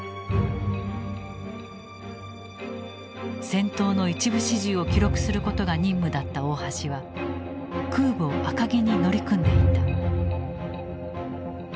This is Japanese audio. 戦闘の一部始終を記録することが任務だった大橋は空母赤城に乗り組んでいた。